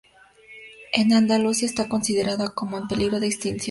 En Andalucía está considerada como 'en peligro de extinción'.